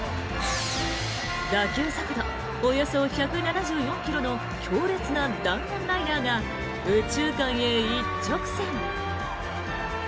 打球速度およそ１７４ｋｍの強烈な弾丸ライナーが右中間へ一直線。